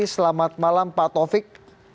selamat malam pak taufik